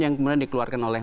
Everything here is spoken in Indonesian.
yang kemudian dikeluarkan oleh